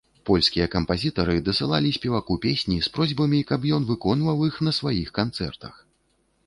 Польскія кампазітары дасылалі спеваку песні з просьбамі, каб ён выконваў іх на сваіх канцэртах.